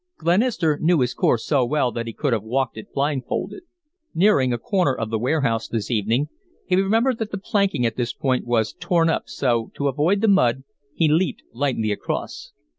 Glenister knew his course so well that he could have walked it blindfolded. Nearing a corner of the warehouse this evening he remembered that the planking at this point was torn up, so, to avoid the mud, he leaped lightly across.